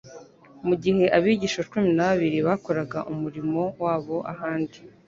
Mu gihe abigishwa cumi na babiri bakoraga umurimo wa bo ahandi,